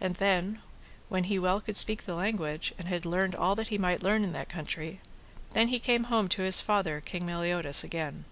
And then when he well could speak the language, and had learned all that he might learn in that country, then he came home to his father, King Meliodas, again.